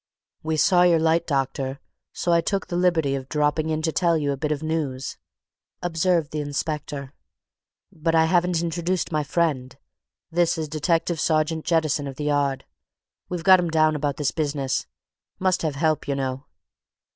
"We saw your light, doctor so I took the liberty of dropping into tell you a bit of news," observed the inspector. "But I haven't introduced my friend this is Detective Sergeant Jettison, of the Yard we've got him down about this business must have help, you know."